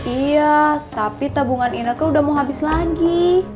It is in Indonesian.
iya tapi tabungan inaknya udah mau habis lagi